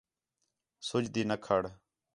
سُڄ تی نہ کھڑ